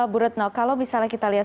bu retno kalau misalnya kita lihat